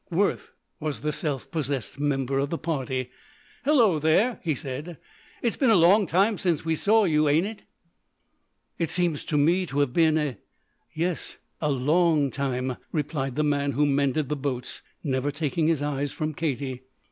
Worth was the self possessed member of the party. "Hello there," he said; "it's been a long time since we saw you, ain't it?" "It seems to me to have been a yes, a long time," replied the man who mended the boats, never taking his eyes from Katie.